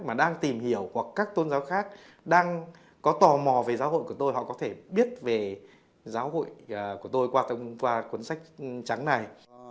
mà đang tìm hiểu hoặc các tôn giáo khác đang có tò mò về giáo hội của tôi họ có thể biết về giáo hội của tôi qua cuốn sách trắng này